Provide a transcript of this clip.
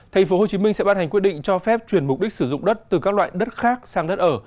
thành phố hồ chí minh sẽ ban hành quyết định cho phép chuyển mục đích sử dụng đất từ các loại đất khác sang đất ở